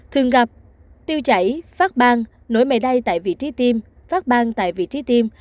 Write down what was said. thường gặp tiêu chảy phát bàn nổi mề đay tại vị trí tiêm phát bàn tại vị trí tiêm